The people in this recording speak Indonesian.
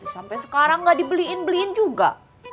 sampai sekarang nggak dibeliin beliin juga